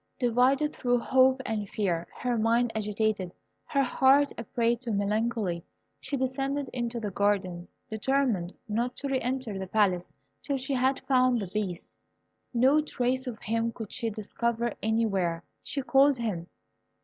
Divided through hope and fear, her mind agitated, her heart a prey to melancholy, she descended into the gardens, determined not to re enter the Palace till she had found the Beast. No trace of him could she discover anywhere. She called him.